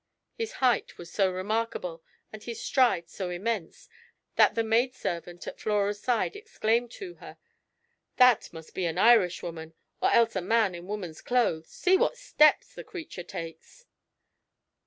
His height was so remarkable, and his strides so immense, that the maid servant at Flora's side exclaimed to her: "That must be an Irishwoman, or else a man in woman's clothes; see what steps the creature takes!"